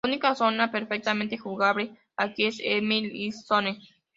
La única zona perfectamente jugable aquí es "Emerald Hill Zone".